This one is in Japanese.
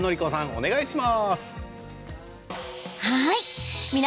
お願いします。